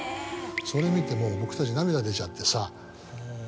それ見てもう僕たち涙出ちゃってさ。